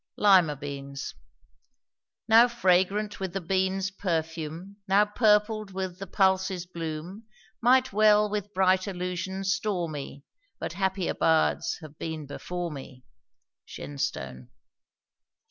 LIMA BEANS. Now fragrant with the bean's perfume, Now purpled with the pulse's bloom, Might well with bright allusions store me; But happier bards have been before me. SHENSTONE.